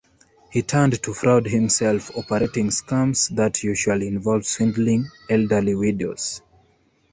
He turned to fraud himself, operating scams that usually involved swindling elderly widows.